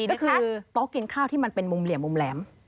ก็คือโต๊ะกินข้าวที่มันเป็นมุมเหลี่ยมมุมแหลม